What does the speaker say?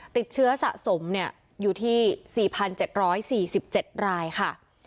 ติดเชื้อสะสมอยู่ที่๔๗๔๗รายค่ะ